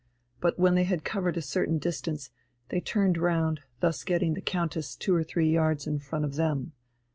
But when they had covered a certain distance, they turned round, thus getting the Countess two or three yards in front of them.